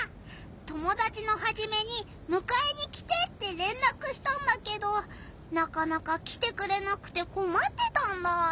友だちのハジメに「むかえに来て！」ってれんらくしたんだけどなかなか来てくれなくてこまってたんだ。